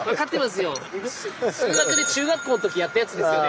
数学で中学校の時やったやつですよね。